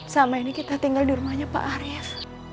selama ini kita tinggal di rumahnya pak arief